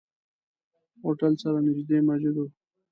هوټل سره نزدې مسجد وو.